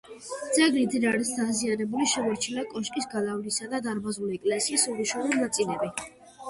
ძეგლი ძლიერ არის დაზიანებული: შემორჩენილია კოშკის, გალავნისა და დარბაზული ეკლესიის უმნიშვნელო ნაწილები.